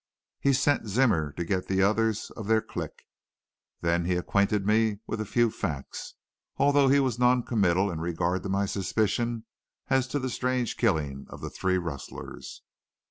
He sent Zimmer to get the others of their clique. Then he acquainted me with a few facts, although he was noncommittal in regard to my suspicion as to the strange killing of the three rustlers.